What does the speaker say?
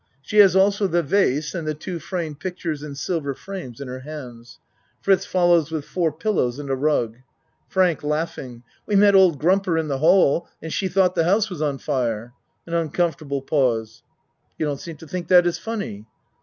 She has also the vase and the two framed pictures in silver frames in her hands. Fritz follows with four pillows and a rug.) FRANK We met old Grumper in the hall and she tho't the house was on fire. (An uncomfortable pause.) You don't seem to think that is funny.